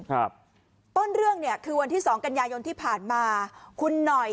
ครับต้นเรื่องเนี่ยคือวันที่สองกันยายนที่ผ่านมาคุณหน่อย